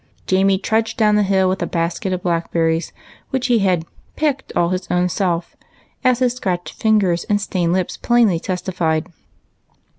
Jamie trudged down the hill with a basket of blackberries which he had " picked all his ownself," as his scratched fingers and stained lips j^hiinly testified.